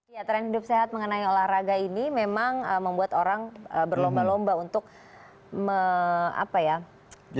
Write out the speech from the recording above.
ya tren hidup sehat mengenai olahraga ini memang membuat orang berlomba lomba untuk apa ya